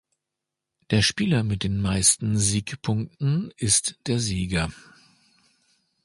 Der Spieler mit den meisten Siegpunkten ist der Sieger.